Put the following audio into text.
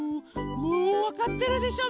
もうわかってるでしょ？